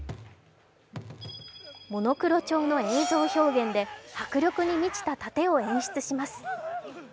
モノクロ調の映像表現で迫力に満ちた殺陣を演出します。